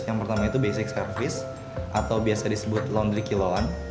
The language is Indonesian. yang pertama itu basic service atau biasa disebut laundry kiloan